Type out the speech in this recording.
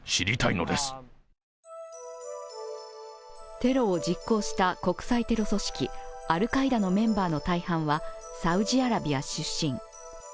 テロを実行した国際テロ組織アルカイダのメンバーの大半はサウジアラビア出身。